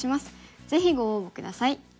ぜひご応募下さい。